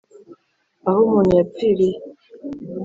Aho umuntu yapfiriye